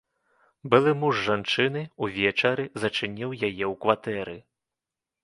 Былы муж жанчыны ўвечары зачыніў яе ў кватэры.